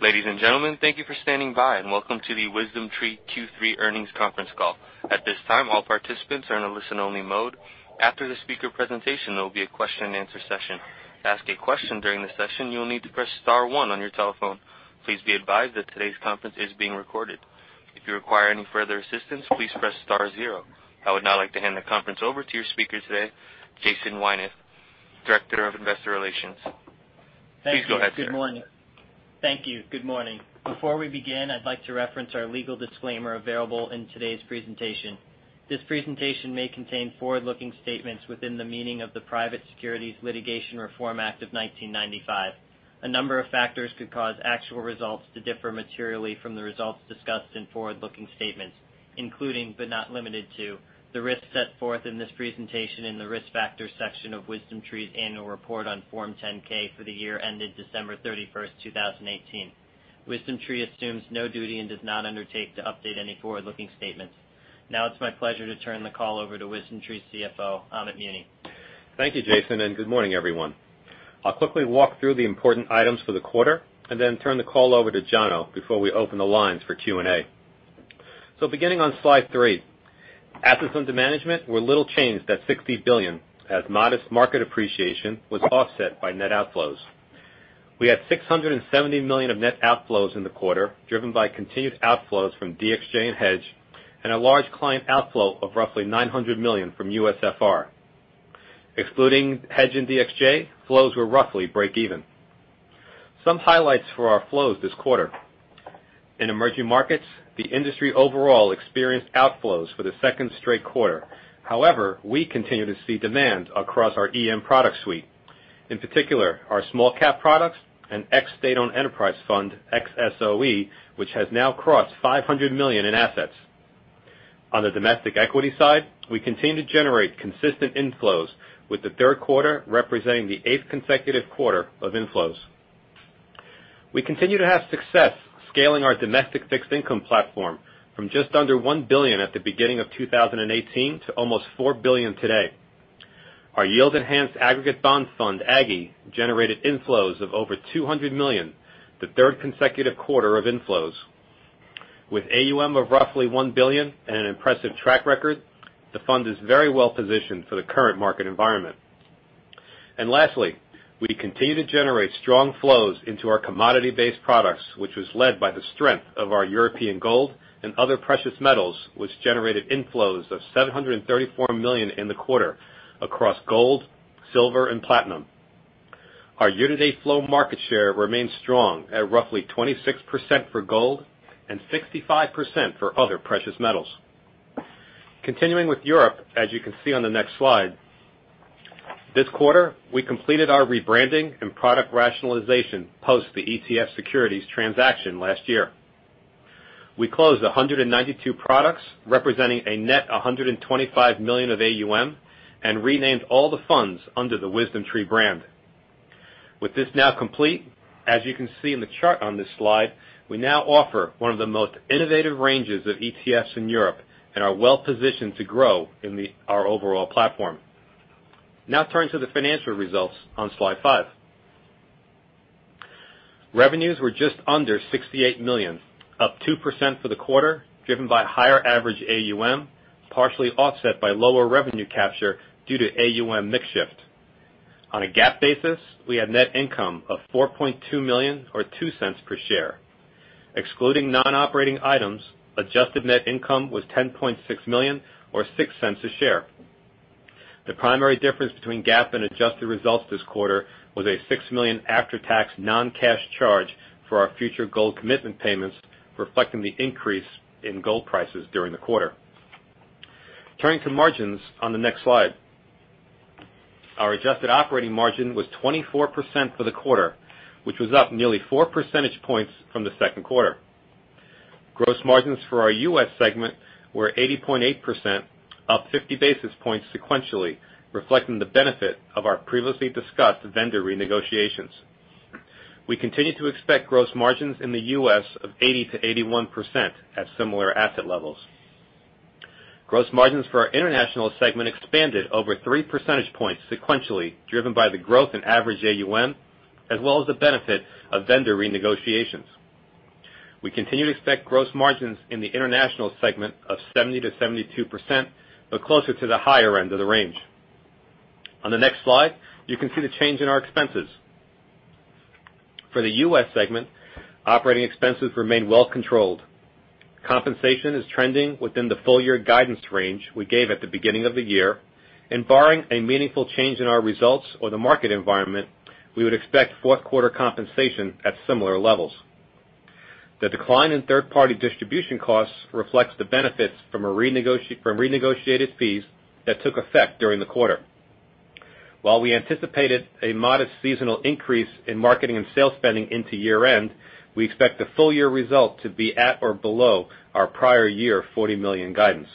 Ladies and gentlemen, thank you for standing by, and welcome to the WisdomTree Q3 Earnings Conference Call. At this time, all participants are in a listen only mode. After the speaker presentation, there will be a question and answer session. To ask a question during the session, you will need to press star one on your telephone. Please be advised that today's conference is being recorded. If you require any further assistance, please press star zero. I would now like to hand the conference over to your speaker today, Jason Weyeneth, Director of Investor Relations. Please go ahead, sir. Thank you. Good morning. Thank you. Good morning. Before we begin, I'd like to reference our legal disclaimer available in today's presentation. This presentation may contain forward-looking statements within the meaning of the Private Securities Litigation Reform Act of 1995. A number of factors could cause actual results to differ materially from the results discussed in forward-looking statements, including, but not limited to, the risks set forth in this presentation in the Risk Factors section of WisdomTree's annual report on Form 10-K for the year ended December 31st, 2018. WisdomTree assumes no duty and does not undertake to update any forward-looking statements. It's my pleasure to turn the call over to WisdomTree's CFO, Amit Muni. Thank you, Jason. Good morning, everyone. I'll quickly walk through the important items for the quarter, turn the call over to Jono before we open the lines for Q&A. Beginning on slide three, assets under management were little changed at $60 billion, as modest market appreciation was offset by net outflows. We had $670 million of net outflows in the quarter, driven by continued outflows from DXJ and Hedge, a large client outflow of roughly $900 million from USFR. Excluding Hedge and DXJ, flows were roughly break even. Some highlights for our flows this quarter. In emerging markets, the industry overall experienced outflows for the second straight quarter. We continue to see demand across our EM product suite. In particular, our small cap products and Ex State Owned Enterprise fund, XSOE, which has now crossed $500 million in assets. On the domestic equity side, we continue to generate consistent inflows, with the third quarter representing the eighth consecutive quarter of inflows. We continue to have success scaling our domestic fixed income platform from just under $1 billion at the beginning of 2018 to almost $4 billion today. Our yield enhanced aggregate bond fund, AGGY, generated inflows of over $200 million, the third consecutive quarter of inflows. With AUM of roughly $1 billion and an impressive track record, the fund is very well positioned for the current market environment. Lastly, we continue to generate strong flows into our commodity-based products, which was led by the strength of our European gold and other precious metals, which generated inflows of $734 million in the quarter across gold, silver, and platinum. Our year-to-date flow market share remains strong at roughly 26% for gold and 65% for other precious metals. Continuing with Europe, as you can see on the next slide, this quarter, we completed our rebranding and product rationalization post the ETF Securities transaction last year. We closed 192 products, representing a net $125 million of AUM, and renamed all the funds under the WisdomTree brand. With this now complete, as you can see in the chart on this slide, we now offer one of the most innovative ranges of ETFs in Europe and are well positioned to grow in our overall platform. Turning to the financial results on slide five. Revenues were just under $68 million, up 2% for the quarter, driven by higher average AUM, partially offset by lower revenue capture due to AUM mix shift. On a GAAP basis, we had net income of $4.2 million or $0.02 per share. Excluding non-operating items, adjusted net income was $10.6 million or $0.06 a share. The primary difference between GAAP and adjusted results this quarter was a $6 million after-tax non-cash charge for our future gold commitment payments, reflecting the increase in gold prices during the quarter. Turning to margins on the next slide. Our adjusted operating margin was 24% for the quarter, which was up nearly four percentage points from the second quarter. Gross margins for our U.S. segment were 80.8%, up 50 basis points sequentially, reflecting the benefit of our previously discussed vendor renegotiations. We continue to expect gross margins in the U.S. of 80%-81% at similar asset levels. Gross margins for our international segment expanded over three percentage points sequentially, driven by the growth in average AUM, as well as the benefit of vendor renegotiations. We continue to expect gross margins in the international segment of 70%-72%, but closer to the higher end of the range. On the next slide, you can see the change in our expenses. For the U.S. segment, operating expenses remain well controlled. Compensation is trending within the full year guidance range we gave at the beginning of the year, and barring a meaningful change in our results or the market environment, we would expect fourth quarter compensation at similar levels. The decline in third-party distribution costs reflects the benefits from renegotiated fees that took effect during the quarter. While we anticipated a modest seasonal increase in marketing and sales spending into year end, we expect the full year result to be at or below our prior year $40 million guidance.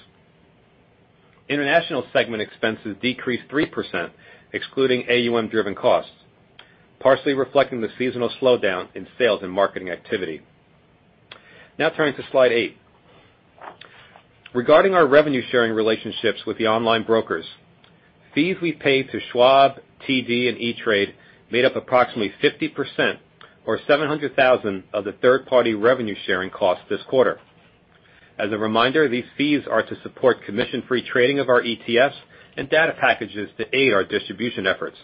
International segment expenses decreased 3%, excluding AUM-driven costs, partially reflecting the seasonal slowdown in sales and marketing activity. Now turning to slide eight. Regarding our revenue sharing relationships with the online brokers, fees we pay to Schwab, TD, and E-Trade made up approximately 50%, or $700,000 of the third-party revenue sharing cost this quarter. As a reminder, these fees are to support commission-free trading of our ETFs and data packages to aid our distribution efforts.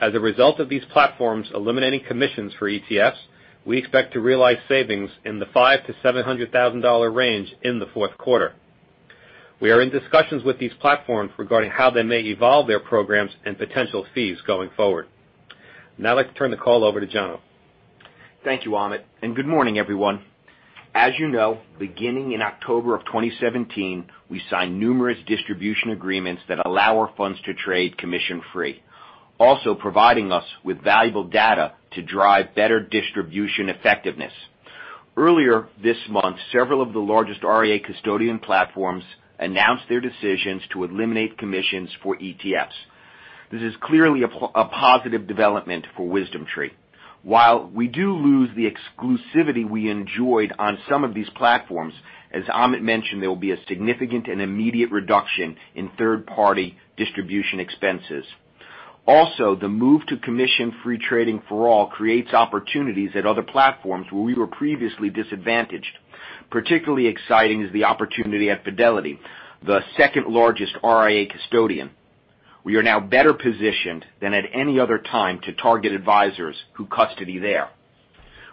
As a result of these platforms eliminating commissions for ETFs, we expect to realize savings in the $500,000-$700,000 range in the fourth quarter. We are in discussions with these platforms regarding how they may evolve their programs and potential fees going forward. Now I'd like to turn the call over to Jono. Thank you, Amit, and good morning, everyone. As you know, beginning in October of 2017, we signed numerous distribution agreements that allow our funds to trade commission-free, also providing us with valuable data to drive better distribution effectiveness. Earlier this month, several of the largest RIA custodian platforms announced their decisions to eliminate commissions for ETFs. This is clearly a positive development for WisdomTree. While we do lose the exclusivity we enjoyed on some of these platforms, as Amit mentioned, there will be a significant and immediate reduction in third-party distribution expenses. Also, the move to commission-free trading for all creates opportunities at other platforms where we were previously disadvantaged. Particularly exciting is the opportunity at Fidelity, the second-largest RIA custodian. We are now better positioned than at any other time to target advisors who custody there.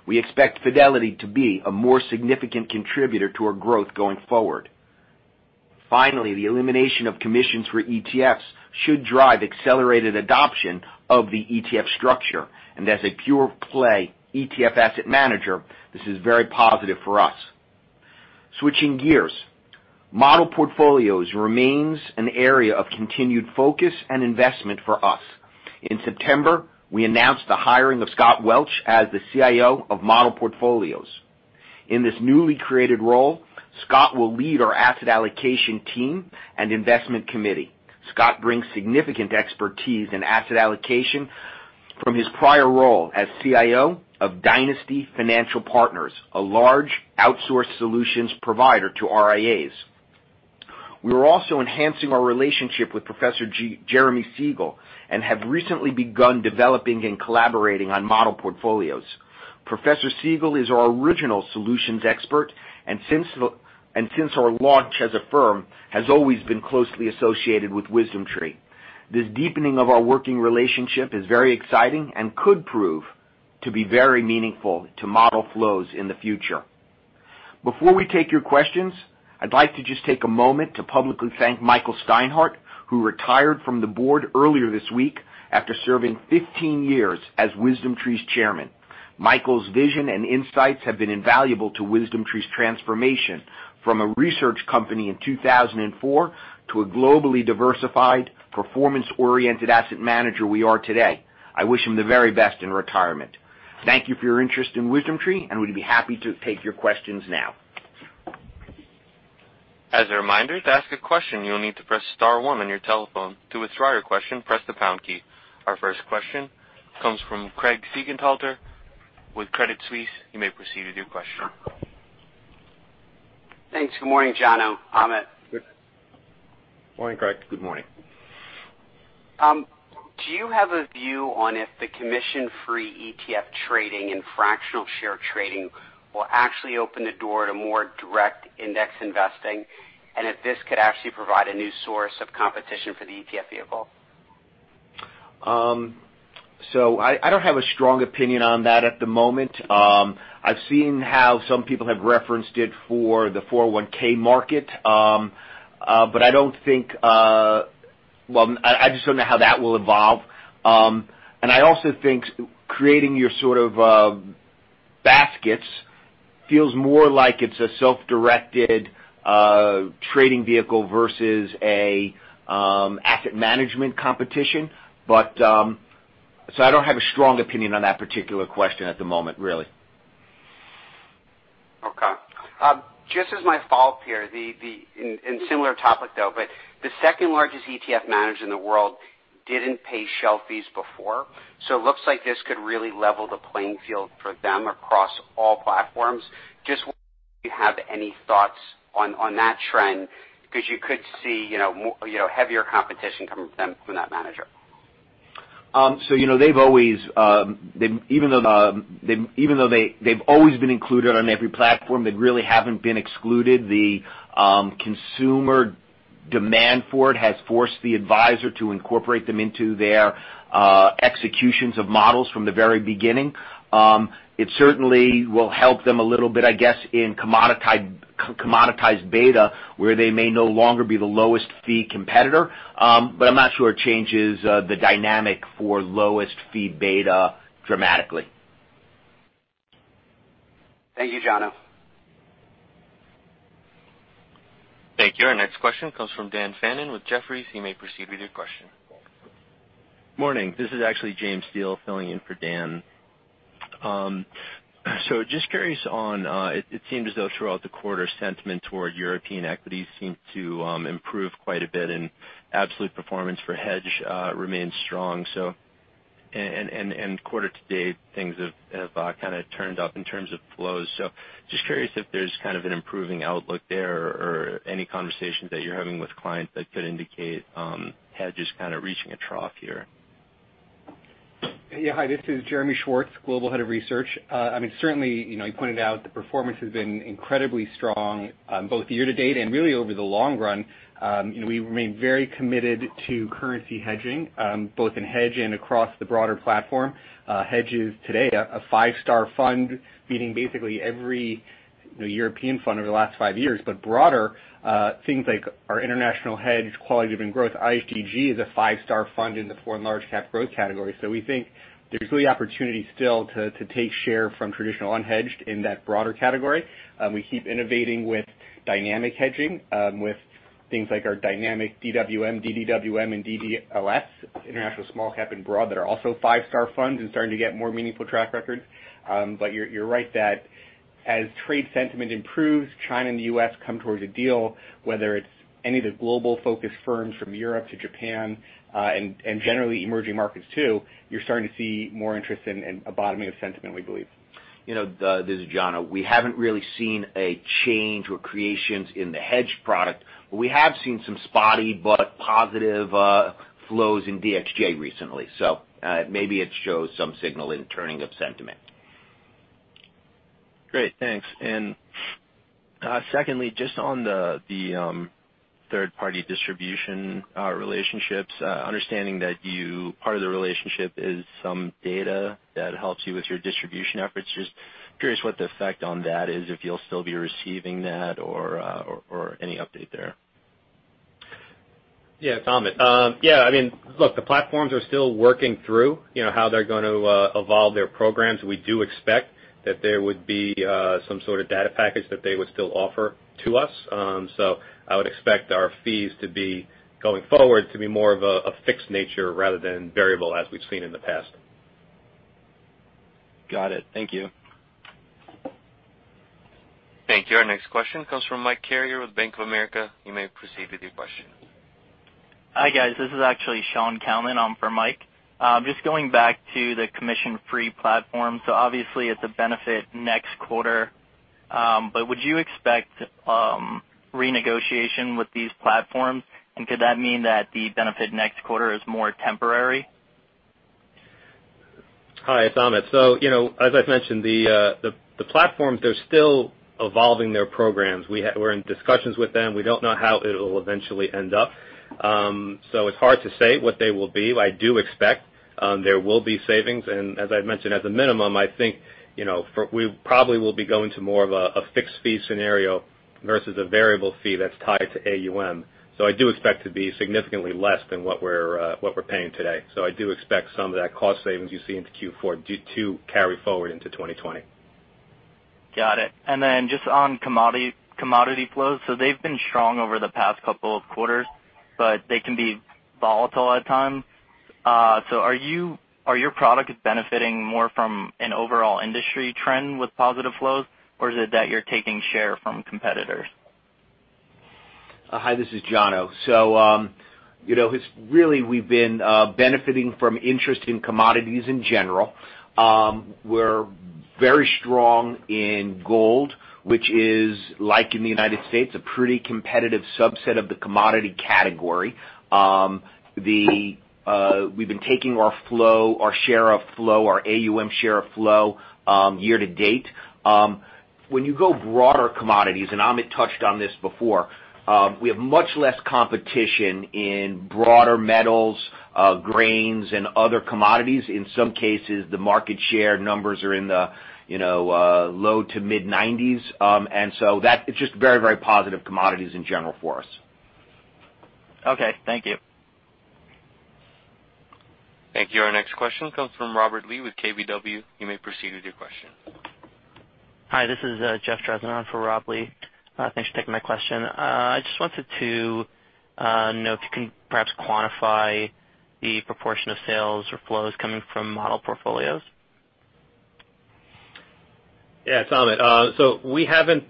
We expect Fidelity to be a more significant contributor to our growth going forward. Finally, the elimination of commissions for ETFs should drive accelerated adoption of the ETF structure, and as a pure play ETF asset manager, this is very positive for us. Switching gears. Model portfolios remains an area of continued focus and investment for us. In September, we announced the hiring of Scott Welch as the CIO of Model Portfolios. In this newly created role, Scott will lead our asset allocation team and investment committee. Scott brings significant expertise in asset allocation from his prior role as CIO of Dynasty Financial Partners, a large outsourced solutions provider to RIAs. We are also enhancing our relationship with Professor Jeremy Siegel and have recently begun developing and collaborating on model portfolios. Professor Siegel is our original solutions expert, and since our launch as a firm, has always been closely associated with WisdomTree. This deepening of our working relationship is very exciting and could prove to be very meaningful to model flows in the future. Before we take your questions, I'd like to just take a moment to publicly thank Michael Steinhardt, who retired from the board earlier this week after serving 15 years as WisdomTree's Chairman. Michael's vision and insights have been invaluable to WisdomTree's transformation from a research company in 2004 to a globally diversified, performance-oriented asset manager we are today. I wish him the very best in retirement. Thank you for your interest in WisdomTree, and we'd be happy to take your questions now. As a reminder, to ask a question, you will need to press star one on your telephone. To withdraw your question, press the pound key. Our first question comes from Craig Siegenthaler with Credit Suisse. You may proceed with your question. Thanks. Good morning, Jono, Amit. Good morning, Craig. Good morning. Do you have a view on if the commission-free ETF trading and fractional share trading will actually open the door to more direct index investing, and if this could actually provide a new source of competition for the ETF vehicle? I don't have a strong opinion on that at the moment. I've seen how some people have referenced it for the 401 market. I just don't know how that will evolve. I also think creating your sort of baskets feels more like it's a self-directed trading vehicle versus an asset management competition. I don't have a strong opinion on that particular question at the moment, really. Okay. Just as my follow-up here, in similar topic, though, the second largest ETF manager in the world didn't pay shelf fees before. It looks like this could really level the playing field for them across all platforms. I just wonder if you have any thoughts on that trend, because you could see heavier competition coming from that manager. Even though they've always been included on every platform, they really haven't been excluded. The consumer demand for it has forced the advisor to incorporate them into their executions of models from the very beginning. It certainly will help them a little bit, I guess, in commoditized beta, where they may no longer be the lowest fee competitor. I'm not sure it changes the dynamic for lowest fee beta dramatically. Thank you, Jono. Thank you. Our next question comes from Daniel Fannon with Jefferies. You may proceed with your question. Morning. This is actually James Steele filling in for Dan. Just curious on, it seems as though throughout the quarter, sentiment toward European equities seemed to improve quite a bit, and absolute performance for hedge remains strong. Quarter to date, things have kind of turned up in terms of flows. Just curious if there's kind of an improving outlook there or any conversations that you're having with clients that could indicate hedge is kind of reaching a trough here. Yeah. Hi, this is Jeremy Schwartz, Global Head of Research. I mean, certainly, you pointed out the performance has been incredibly strong both year-to-date and really over the long run. We remain very committed to currency hedging, both in hedge and across the broader platform. HEDJ is today a five-star fund, beating basically every European fund over the last five years. Broader, things like our International Hedged Quality Dividend Growth, IHDG, is a five-star fund in the foreign large cap growth category. We think there's really opportunity still to take share from traditional unhedged in that broader category. We keep innovating with dynamic hedging, with things like our Dynamic DWM, DDWM, and DDLS, International SmallCap and broad, that are also five-star funds and starting to get more meaningful track records. You're right, that as trade sentiment improves, China and the U.S. come towards a deal, whether it's any of the global focused firms from Europe to Japan, and generally emerging markets too, you're starting to see more interest in a bottoming of sentiment, we believe. This is Jono. We haven't really seen a change or creations in the hedge product, but we have seen some spotty but positive flows in DXJ recently. Maybe it shows some signal in turning of sentiment. Great, thanks. Secondly, just on the third party distribution relationships, understanding that part of the relationship is some data that helps you with your distribution efforts. Just curious what the effect on that is, if you'll still be receiving that or any update there? Yeah, it's Amit. Look, the platforms are still working through how they're going to evolve their programs. We do expect that there would be some sort of data package that they would still offer to us. I would expect our fees going forward, to be more of a fixed nature rather than variable as we've seen in the past. Got it. Thank you. Thank you. Our next question comes from Michael Carrier with Bank of America. You may proceed with your question. Hi, guys. This is actually Sean Calman for Mike. Just going back to the commission-free platform. Obviously it's a benefit next quarter, but would you expect renegotiation with these platforms, and could that mean that the benefit next quarter is more temporary? Hi, it's Amit. As I've mentioned, the platforms are still evolving their programs. We're in discussions with them. We don't know how it'll eventually end up. It's hard to say what they will be. I do expect there will be savings, and as I've mentioned, at the minimum, I think we probably will be going to more of a fixed fee scenario versus a variable fee that's tied to AUM. I do expect to be significantly less than what we're paying today. I do expect some of that cost savings you see into Q4 to carry forward into 2020. Got it. Just on commodity flows. They've been strong over the past couple of quarters, but they can be volatile at times. Are your products benefiting more from an overall industry trend with positive flows, or is it that you're taking share from competitors? Hi, this is Jono. Really we've been benefiting from interest in commodities in general. We're very strong in gold, which is like in the United States, a pretty competitive subset of the commodity category. We've been taking our flow, our share of flow, our AUM share of flow, year-to-date. When you go broader commodities, and Amit touched on this before, we have much less competition in broader metals, grains, and other commodities. In some cases, the market share numbers are in the low to mid-90s. It's just very positive commodities in general for us. Okay. Thank you. Thank you. Our next question comes from Robert Lee with KBW. You may proceed with your question. Hi, this is Jeff Drezner for Rob Lee. Thanks for taking my question. I just wanted to know if you can perhaps quantify the proportion of sales or flows coming from model portfolios. Yeah, it's Amit. We haven't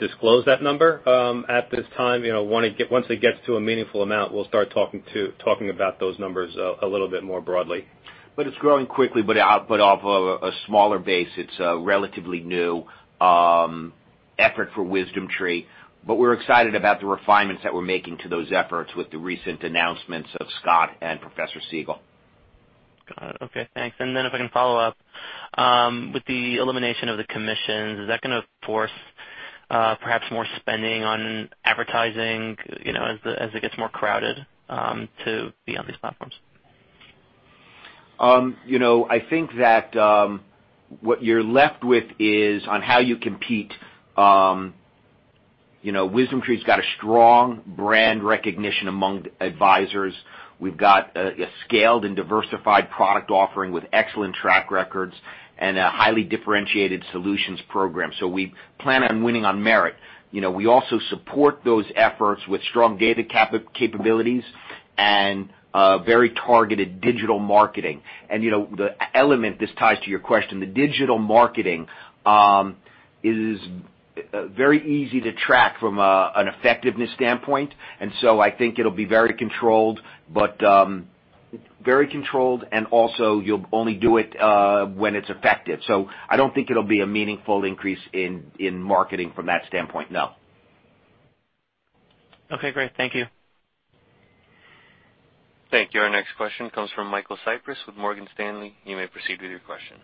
disclosed that number at this time. Once it gets to a meaningful amount, we'll start talking about those numbers a little bit more broadly. It's growing quickly, but off of a smaller base. It's a relatively new effort for WisdomTree, but we're excited about the refinements that we're making to those efforts with the recent announcements of Scott and Professor Siegel. Got it. Okay, thanks. If I can follow up. With the elimination of the commissions, is that going to force perhaps more spending on advertising as it gets more crowded to be on these platforms? I think that what you're left with is on how you compete. WisdomTree's got a strong brand recognition among advisors. We've got a scaled and diversified product offering with excellent track records and a highly differentiated solutions program. We plan on winning on merit. We also support those efforts with strong data capabilities and very targeted digital marketing. The element, this ties to your question, the digital marketing is very easy to track from an effectiveness standpoint. I think it'll be very controlled, but also you'll only do it when it's effective. I don't think it'll be a meaningful increase in marketing from that standpoint, no. Okay, great. Thank you. Thank you. Our next question comes from Michael Cyprys with Morgan Stanley. You may proceed with your question.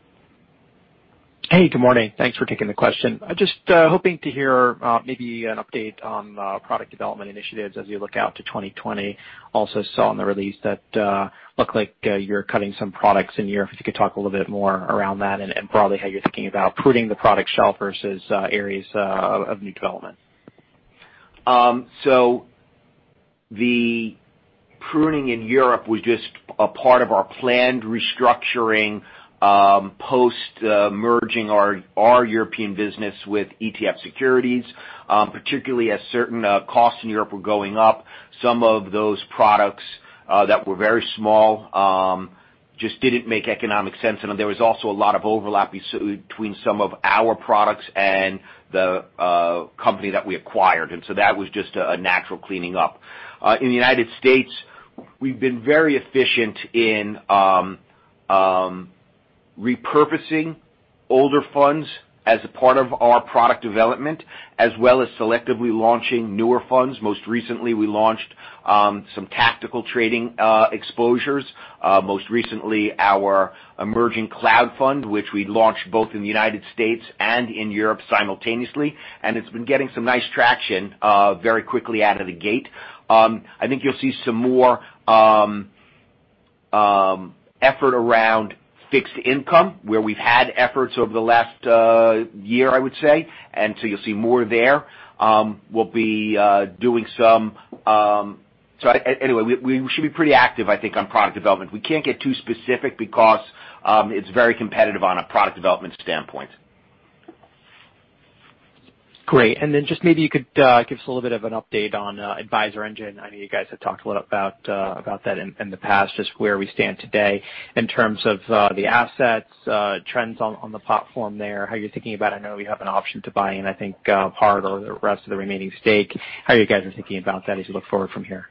Hey, good morning. Thanks for taking the question. I'm just hoping to hear maybe an update on product development initiatives as you look out to 2020? Also saw in the release that looked like you're cutting some products in Europe. If you could talk a little bit more around that and broadly how you're thinking about pruning the product shelf versus areas of new development? The pruning in Europe was just a part of our planned restructuring, post merging our European business with ETF Securities, particularly as certain costs in Europe were going up. Some of those products that were very small just didn't make economic sense. There was also a lot of overlap between some of our products and the company that we acquired. That was just a natural cleaning up. In the United States, we've been very efficient in repurposing older funds as a part of our product development, as well as selectively launching newer funds. Most recently, we launched some tactical trading exposures. Most recently, our Emerging Cloud Fund, which we launched both in the United States and in Europe simultaneously. It's been getting some nice traction very quickly out of the gate. I think you'll see some more effort around fixed income, where we've had efforts over the last year, I would say. You'll see more there. Anyway, we should be pretty active, I think, on product development. We can't get too specific because it's very competitive on a product development standpoint. Great. Just maybe you could give us a little bit of an update on AdvisorEngine. I know you guys have talked a lot about that in the past, just where we stand today in terms of the assets, trends on the platform there, how you're thinking about it. I know you have an option to buy in, I think, part of the rest of the remaining stake. How are you guys are thinking about that as you look forward from here?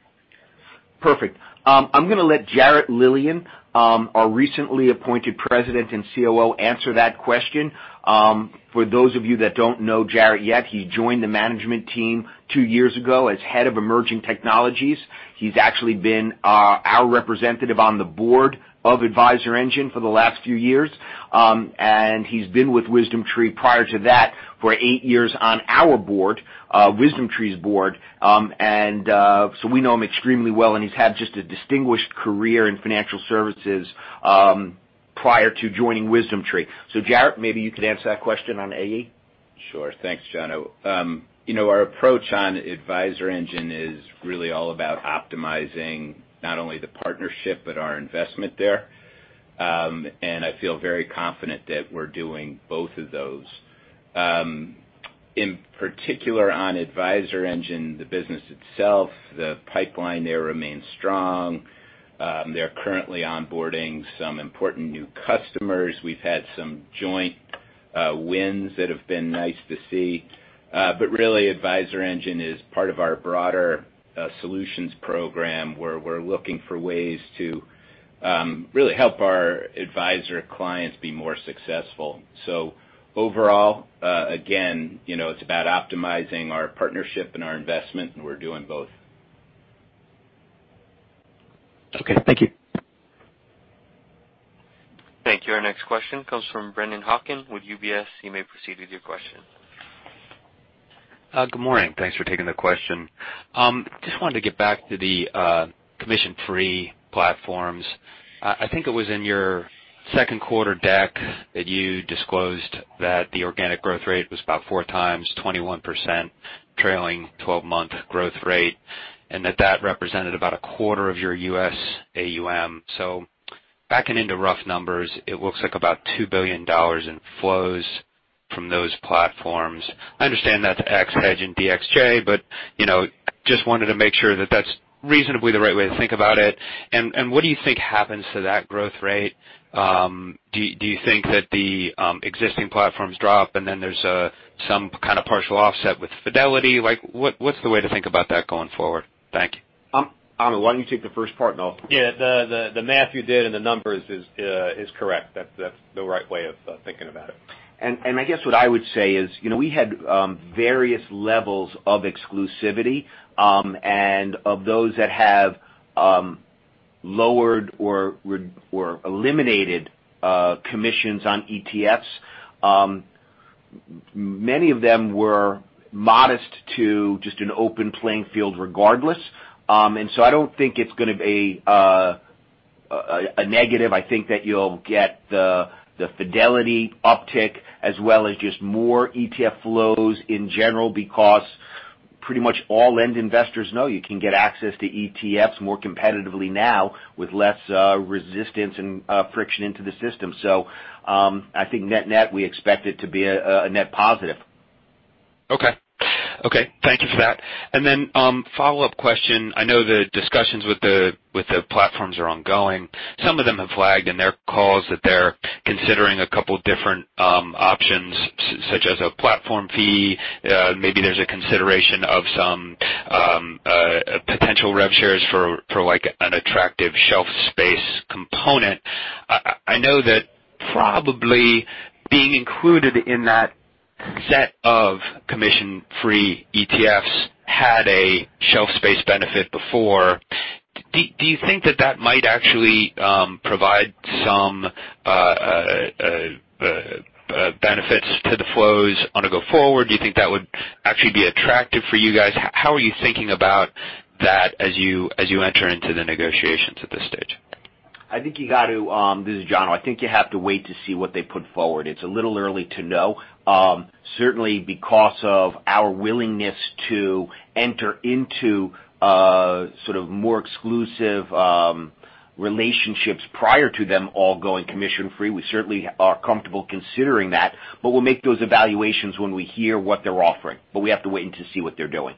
Perfect. I'm going to let Jarrett Lilien, our recently appointed President and COO, answer that question. For those of you that don't know Jarrett yet, he joined the management team two years ago as head of emerging technologies. He's actually been our representative on the board of AdvisorEngine for the last few years. He's been with WisdomTree prior to that for eight years on our board, WisdomTree's board. We know him extremely well, and he's had just a distinguished career in financial services prior to joining WisdomTree. Jarrett, maybe you could answer that question on AE. Sure. Thanks, Jonathan. Our approach on AdvisorEngine is really all about optimizing not only the partnership but our investment there. I feel very confident that we're doing both of those. In particular, on AdvisorEngine, the business itself, the pipeline there remains strong. They're currently onboarding some important new customers. We've had some joint wins that have been nice to see. Really, AdvisorEngine is part of our broader solutions program, where we're looking for ways to really help our advisor clients be more successful. Overall, again, it's about optimizing our partnership and our investment, and we're doing both. Okay. Thank you. Thank you. Our next question comes from Brennan Hawken with UBS. You may proceed with your question. Good morning. Thanks for taking the question. Just wanted to get back to the commission-free platforms. I think it was in your second quarter deck that you disclosed that the organic growth rate was about four times 21% trailing 12-month growth rate, and that represented about a quarter of your U.S. AUM. Backing into rough numbers, it looks like about $2 billion in flows from those platforms. I understand that's X HEDJ and DXJ, but just wanted to make sure that that's reasonably the right way to think about it. What do you think happens to that growth rate? Do you think that the existing platforms drop and then there's some kind of partial offset with Fidelity? What's the way to think about that going forward? Thank you. Amit, why don't you take the first part. Yeah. The math you did and the numbers is correct. That's the right way of thinking about it. I guess what I would say is, we had various levels of exclusivity, and of those that have lowered or eliminated commissions on ETFs, many of them were modest to just an open playing field regardless. I don't think it's going to be a negative. I think that you'll get the Fidelity uptick as well as just more ETF flows in general because pretty much all end investors know you can get access to ETFs more competitively now with less resistance and friction into the system. I think net-net, we expect it to be a net positive. Okay. Okay. Thank you for that. Then follow-up question. I know the discussions with the platforms are ongoing. Some of them have flagged in their calls that they're considering a couple different options, such as a platform fee. Maybe there's a consideration of some potential rev shares for an attractive shelf space component. I know that probably being included in that set of commission-free ETFs had a shelf space benefit before. Do you think that that might actually provide some benefits to the flows on a go forward? Do you think that would actually be attractive for you guys? How are you thinking about that as you enter into the negotiations at this stage? This is Jono. I think you have to wait to see what they put forward. It's a little early to know. Certainly because of our willingness to enter into more exclusive relationships prior to them all going commission-free. We certainly are comfortable considering that, but we'll make those evaluations when we hear what they're offering, but we have to wait and to see what they're doing.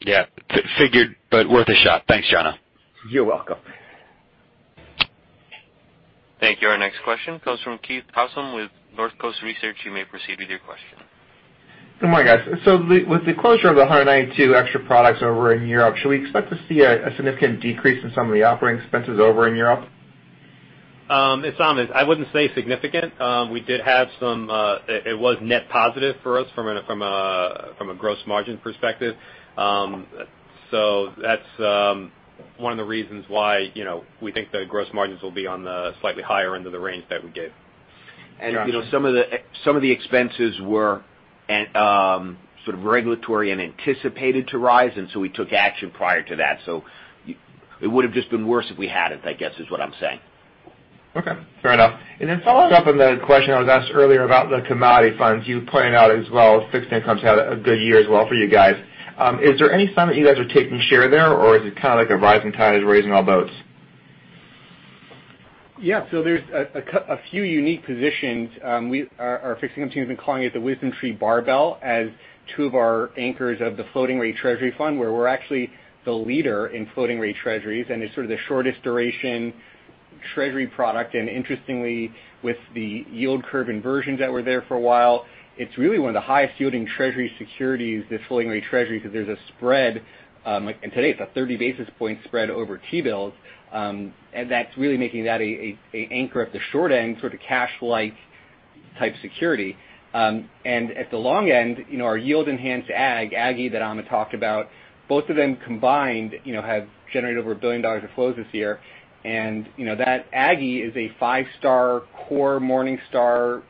Yeah. Figured, but worth a shot. Thanks, Jono. You're welcome. Thank you. Our next question comes from Keith Housum with NorthCoast Research. You may proceed with your question. Good morning, guys. With the closure of the 192 extra products over in Europe, should we expect to see a significant decrease in some of the operating expenses over in Europe? It's Amit. I wouldn't say significant. It was net positive for us from a gross margin perspective. That's one of the reasons why we think the gross margins will be on the slightly higher end of the range that we gave. Some of the expenses were sort of regulatory and anticipated to rise, and so we took action prior to that. It would've just been worse if we hadn't, I guess, is what I'm saying. Okay. Fair enough. Following up on the question I was asked earlier about the commodity funds, you pointed out as well, fixed income had a good year as well for you guys. Is there any sign that you guys are taking share there, or is it kind of like a rising tide is raising all boats? There's a few unique positions. Our fixed income team's been calling it the WisdomTree barbell as two of our anchors of the floating rate Treasury fund, where we're actually the leader in floating rate Treasuries, and it's sort of the shortest duration Treasury product, and interestingly, with the yield curve inversions that were there for a while, it's really one of the highest yielding Treasury securities, this floating rate Treasury, because there's a spread, today it's a 30-basis point spread over T-bills. That's really making that an anchor at the short end, sort of cash-like type security. At the long end, our yield enhanced AGGY, that Amit talked about, both of them combined, have generated over $1 billion of flows this year, that AGGY is a five-star core Morningstar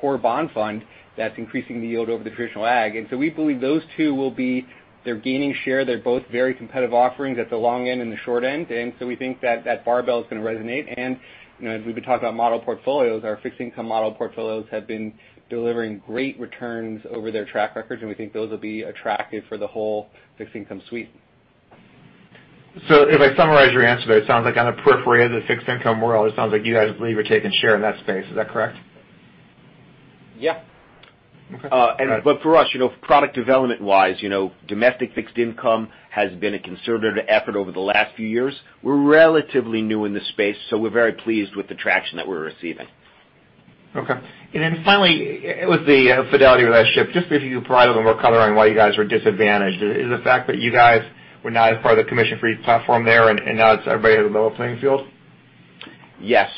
core bond fund that's increasing the yield over the traditional AGGY. We believe those two, they're gaining share. They're both very competitive offerings at the long end and the short end. We think that that barbell is going to resonate. As we've been talking about model portfolios, our fixed income model portfolios have been delivering great returns over their track records, and we think those will be attractive for the whole fixed income suite. If I summarize your answer there, it sounds like on the periphery of the fixed income world, it sounds like you guys believe you're taking share in that space. Is that correct? Yeah. Okay. For us, product development-wise, domestic fixed income has been a conservative effort over the last few years. We're relatively new in this space, so we're very pleased with the traction that we're receiving. Okay. Finally, with the Fidelity relationship, just if you could provide a little more color on why you guys were disadvantaged. Is it the fact that you guys were not as part of the commission-free platform there, and now it's everybody has a level playing field? Yeah.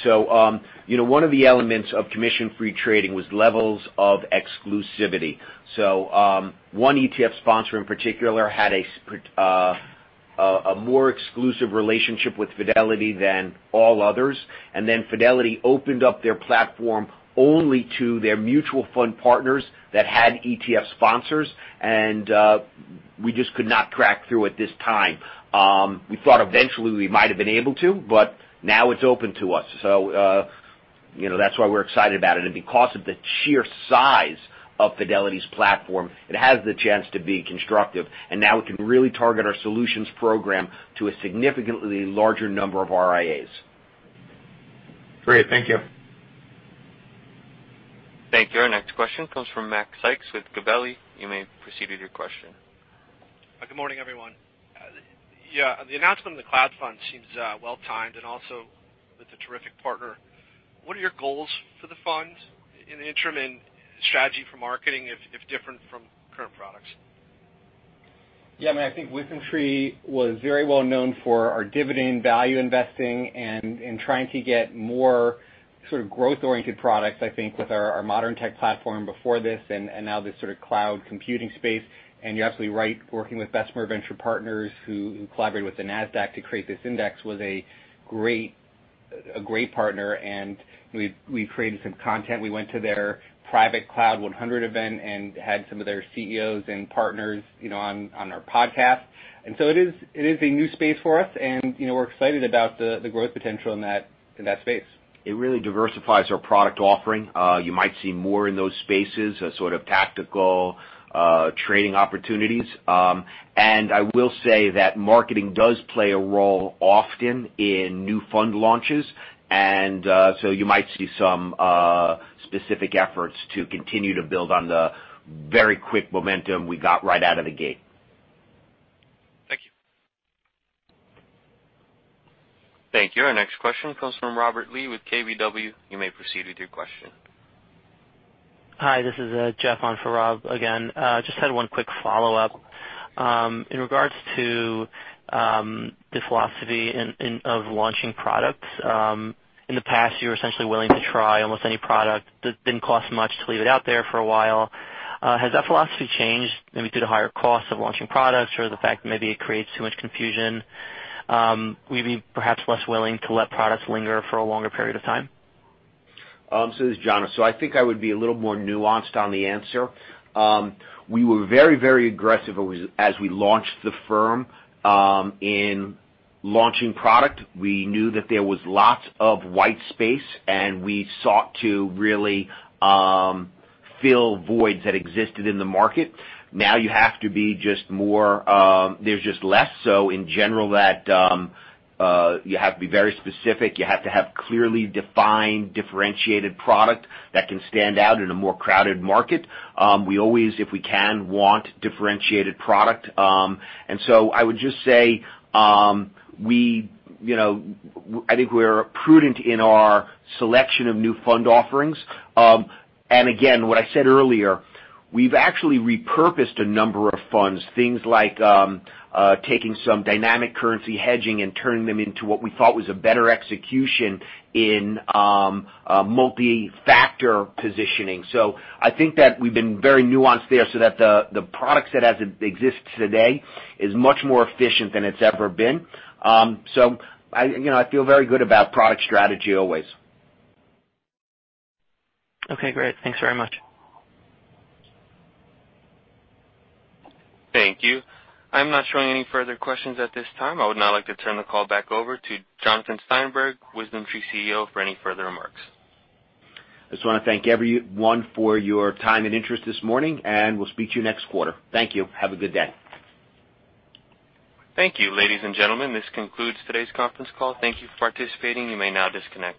One of the elements of commission-free trading was levels of exclusivity. One ETF sponsor in particular had a more exclusive relationship with Fidelity than all others. Then Fidelity opened up their platform only to their mutual fund partners that had ETF sponsors, and we just could not crack through at this time. We thought eventually we might have been able to, but now it's open to us. That's why we're excited about it. Because of the sheer size of Fidelity's platform, it has the chance to be constructive, and now we can really target our solutions program to a significantly larger number of RIAs. Great. Thank you. Thank you. Our next question comes from Macrae Sykes with Gabelli. You may proceed with your question. Good morning, everyone. Yeah. The announcement of the cloud fund seems well-timed and also with a terrific partner. What are your goals for the fund in the interim and strategy for marketing, if different from current products? Yeah, I think WisdomTree was very well known for our dividend value investing and in trying to get more sort of growth-oriented products, I think, with our modern tech platform before this and now this sort of cloud computing space. You're absolutely right, working with Bessemer Venture Partners, who collaborated with the Nasdaq to create this index, was a great partner, and we've created some content. We went to their private Cloud 100 event and had some of their CEOs and partners on our podcast. It is a new space for us, and we're excited about the growth potential in that space. It really diversifies our product offering. You might see more in those spaces, sort of tactical trading opportunities. I will say that marketing does play a role often in new fund launches. You might see some specific efforts to continue to build on the very quick momentum we got right out of the gate. Thank you. Our next question comes from Robert Lee with KBW. You may proceed with your question. Hi, this is Jeff on for Rob again. Just had one quick follow-up. In regards to the philosophy of launching products, in the past, you were essentially willing to try almost any product that didn't cost much to leave it out there for a while. Has that philosophy changed, maybe due to the higher cost of launching products or the fact that maybe it creates too much confusion? Will you be perhaps less willing to let products linger for a longer period of time? This is Jonathan. I think I would be a little more nuanced on the answer. We were very aggressive as we launched the firm in launching product. We knew that there was lots of white space, and we sought to really fill voids that existed in the market. You have to be just more There's just less. In general, you have to be very specific. You have to have clearly defined, differentiated product that can stand out in a more crowded market. We always, if we can, want differentiated product. I would just say, I think we're prudent in our selection of new fund offerings. Again, what I said earlier, we've actually repurposed a number of funds. Things like taking some dynamic currency hedging and turning them into what we thought was a better execution in multi-factor positioning. I think that we've been very nuanced there so that the product set as it exists today is much more efficient than it's ever been. I feel very good about product strategy always. Okay, great. Thanks very much. Thank you. I'm not showing any further questions at this time. I would now like to turn the call back over to Jonathan Steinberg, WisdomTree CEO, for any further remarks. I just want to thank everyone for your time and interest this morning. We'll speak to you next quarter. Thank you. Have a good day. Thank you, ladies and gentlemen. This concludes today's conference call. Thank you for participating. You may now disconnect.